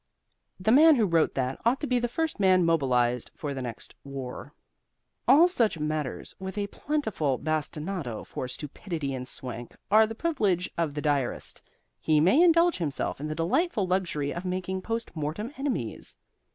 The man who wrote that ought to be the first man mobilized for the next war. All such matters, with a plentiful bastinado for stupidity and swank, are the privilege of the diarist. He may indulge himself in the delightful luxury of making post mortem enemies.